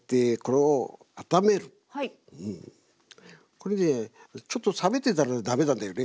これねちょっと冷めてたら駄目なんだよね。